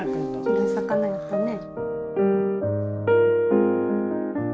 黄色い魚やったね。